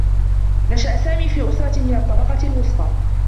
نشأ سامي في أسرة من الطّبقة الوسطى.